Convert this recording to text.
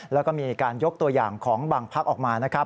แล้วก็มีการยกตัวอย่างของบางภักดิ์ออกมา